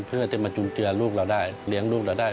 เพื่อจะมาจุนเจือลูกเราได้เลี้ยงลูกเราได้